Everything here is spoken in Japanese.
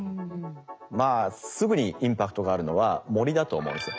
まあすぐにインパクトがあるのは森だと思うんですね。